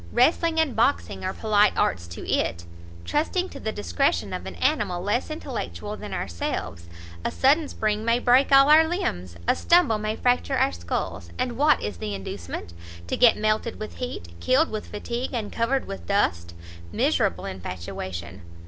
Wrestling and boxing are polite arts to it! trusting to the discretion of an animal less intellectual than ourselves! a sudden spring may break all our limbs, a stumble may fracture our sculls! And what is the inducement? to get melted with heat, killed with fatigue, and covered with dust! miserable infatuation!